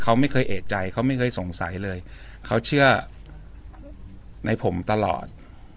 เขาไม่เคยเอกใจเขาไม่เคยสงสัยเลยเขาเชื่อในผมตลอด